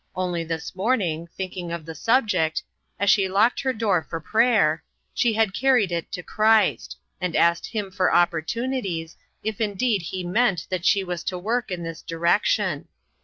Only this morning, thinking of the subject, as she locked her door for AN OPEN DOOR. 147 prayer, she had carried it to Christ, and asked him for opportunities, if indeed he meant that she was to work in this direction.